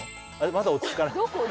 まだ落ち着かない